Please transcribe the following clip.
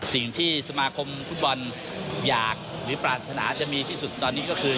สิ่งที่สมาคมฟุตบอลอยากหรือปรารถนาจะมีที่สุดตอนนี้ก็คือ